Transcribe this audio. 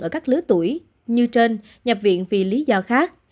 ở các lứa tuổi như trên nhập viện vì lý do khác